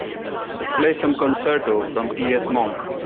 Play some concerto from T. S. Monk.